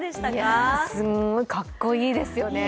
いやすごい、かっこいいですよね